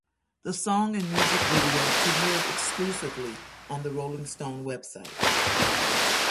The song and music video premiered exclusively on the "Rolling Stone" website.